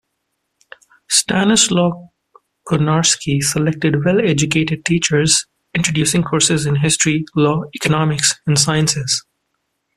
Stanislaw Konarski selected well-educated teachers, introducing courses in history, law, economics and sciences.